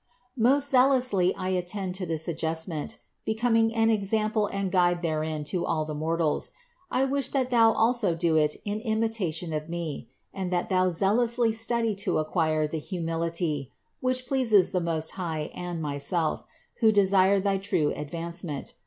Most zealously I attended to this adjustment, be coming an example and guide therein to all the mortals. I wish that thou also do it in imitation of me, and that thou zealously study to acquire the humility, which pleases the Most High and myself, who desire thy true advancement.